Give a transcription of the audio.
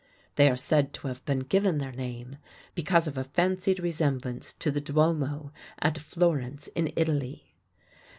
They are said to have been given their name because of a fancied resemblance to the Duomo at Florence, in Italy.